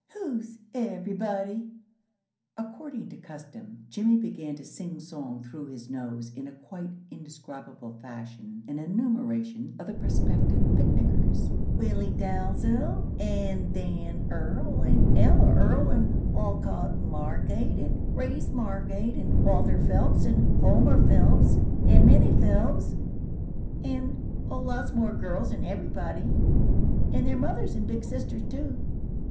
"Who's everybody?" According to custom, Jimmie began to singsong through his nose in a quite indescribable fashion an enumeration of the prospective picnickers: "Willie Dalzel an' Dan Earl an' Ella Earl an' Wolcott Margate an' Reeves Margate an' Walter Phelps an' Homer Phelps an' Minnie Phelps an' oh lots more girls an' everybody. An' their mothers an' big sisters too."